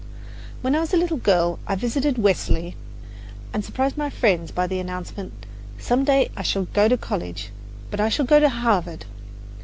When I was a little girl, I visited Wellesley and surprised my friends by the announcement, "Some day I shall go to college but I shall go to Harvard!"